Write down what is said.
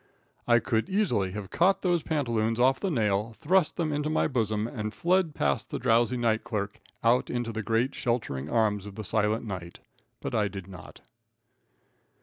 I could easily have caught those pantaloons off the nail, thrust them into my bosom, and fled past the drowsy night clerk, out into the great, sheltering arms of the silent night, but I did not.